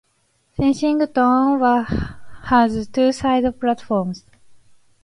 Kensington has two side platforms.